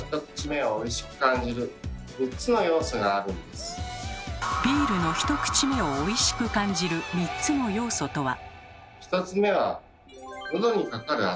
でもビールの１口目をおいしく感じる３つの要素とは？